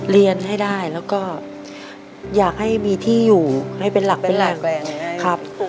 เรียนให้ได้แล้วก็อยากให้มีที่อยู่ให้เป็นหลักเป็นหลักครับ